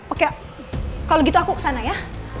oke kalau gitu aku kesana ya